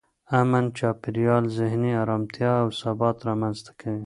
امن چاپېریال ذهني ارامتیا او ثبات رامنځته کوي.